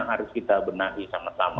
harus kita benahi sama sama